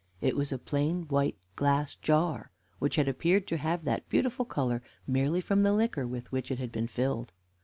It was a plain white glass jar, which had appeared to have that beautiful color merely from the liquor with which it had been filled.